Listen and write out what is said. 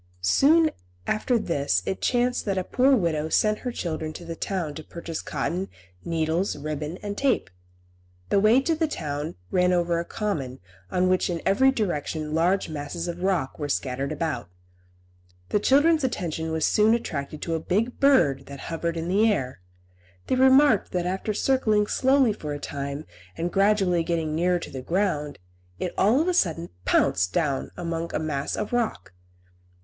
Soon after this it chanced that the poor widow sent her children to the town to purchase cotton, needles, ribbon and tape. The way to the town ran over a common on which in every direction large masses of rocks were scattered about. The children's attention was soon attracted to a big bird that hovered in the air. They remarked that after circling slowly for a time, and gradually getting nearer to the ground, it all of a sudden pounced down amongst a mass of rock.